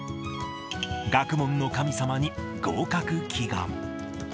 学問の神様に合格祈願。